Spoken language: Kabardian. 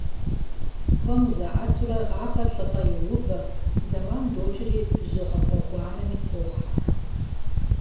Хуэму заIэтурэ ахэр лIыпIэ йоувэ, зэман докIри жьыгъэ гъуэгуанэми тохьэ.